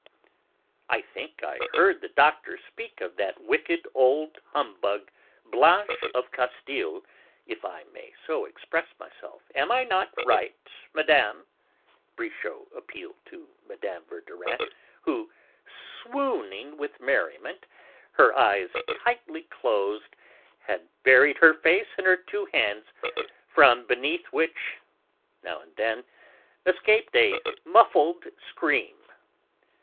"I think I heard the Doctor speak of that wicked old humbug, Blanche of Castile, if I may so express myself. Am I not right, Madame?" Brichot appealed to Mme. Verdurin, who, swooning with merriment, her eyes tightly closed, had buried her face in her two hands, from between which, now and then, escaped a muffled scream.